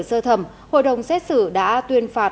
sơ thẩm hội đồng xét xử đã tuyên phạt